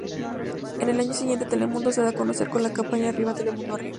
Al año siguiente, Telemundo se da a conocer con la campaña "Arriba, Telemundo, arriba".